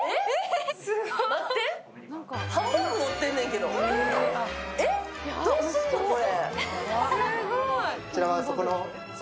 待って、ハンバーグのってんねんけど。えっ、どうすんの、これ。